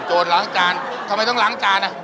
ล้างจานทำไมต้องล้างจานอ่ะ